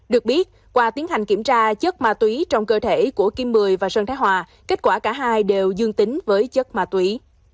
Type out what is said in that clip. được biết qua tiến hành kiểm tra chất ma túy trong cơ thể của kim mười và sơn thái hòa kết quả cả hai đều dương tính với chất ma túy